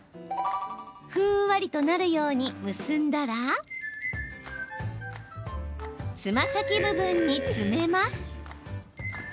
ふんわりとなるように結んだらつま先部分に詰めます。